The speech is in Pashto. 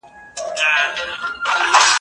زه پرون درسونه ولوستل.